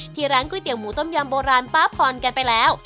ร้านก๋วยเตี๋ยหมูต้มยำโบราณป้าพรกันไปแล้ว